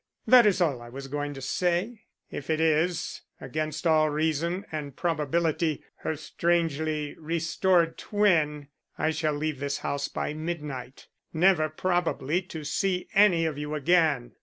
That is all I was going to say. If it is, against all reason and probability, her strangely restored twin, I shall leave this house by midnight, never probably to see any of you again.